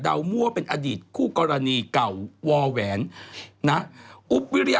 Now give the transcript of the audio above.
เขาบอกว่ามันเขาไม่กิน